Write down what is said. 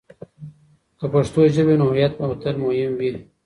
که پښتو ژبه وي، نو هویت به تل مهم وي.